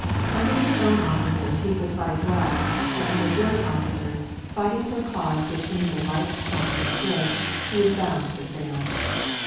Under his own officers he could fight well, but under German officers, fighting for a cause which he neither liked nor understood, he was bound to fail.